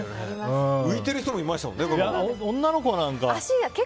浮いてる人もいましたもんね。